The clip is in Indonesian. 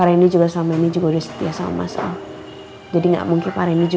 ah mendingan mama gausah pikirin tentang masalah tadi yang dia brolin ya